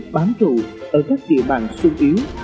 bám trụ ở các địa mạng xung yếu